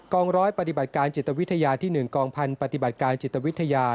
กอง๑๐๐ปฏิบัติการจิตวิทยาที่๑กอง๑๐๐๐ปฏิบัติการจิตวิทยา